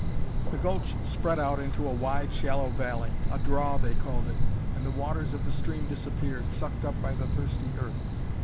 The gulch spread out into a wide, shallow valley a draw, they called it and the waters of the stream disappeared, sucked up by the thirsty earth.